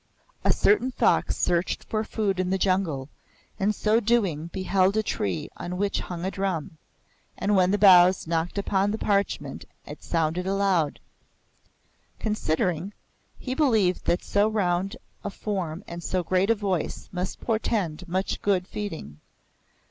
"A certain Fox searched for food in the jungle, and so doing beheld a tree on which hung a drum; and when the boughs knocked upon the parchment, it sounded aloud. Considering, he believed that so round a form and so great a voice must portend much good feeding.